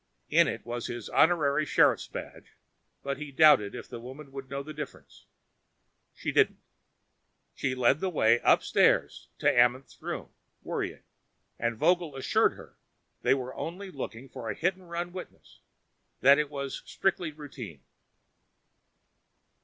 In it was his honorary sheriff's badge, but he doubted if the woman would know the difference. She didn't. She led the way upstairs to Amenth's room, worrying, and Vogel assured her they were only looking for a hit and run witness, that it was strictly routine.